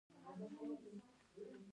د غزل رڼا هم د دوی په زړونو کې ځلېده.